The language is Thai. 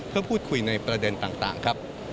เพื่อพูดคุยในประเด็นต่างครับ